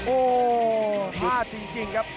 โอ้โหพลาดจริงครับ